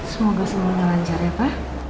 semoga semuanya lancarnya pa